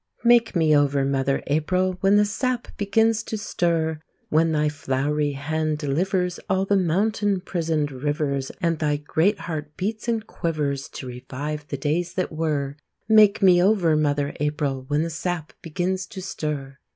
Make me over, mother April, When the sap begins to stir! When thy flowery hand delivers All the mountain prisoned rivers, And thy great heart beats and quivers, To revive the days that were, Make me over, mother April, When the sap begins to stir!